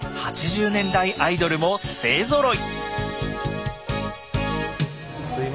８０年代アイドルも勢ぞろい！